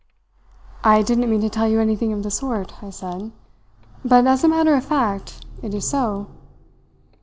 "'I didn't mean to tell you anything of the sort,' I said, 'but as a matter of fact it is so.'